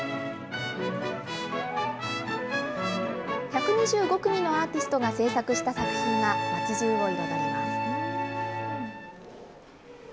１２５組のアーティストが制作した作品が町じゅうを彩ります。